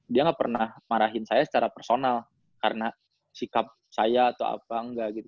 dia nggak pernah marahin saya secara personal karena sikap saya atau apa enggak gitu